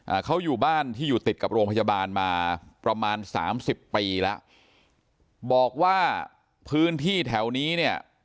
อ่าเขาอยู่บ้านที่อยู่ติดกับโรงพยาบาลมาประมาณสามสิบปีแล้วบอกว่าพื้นที่แถวนี้เนี่ย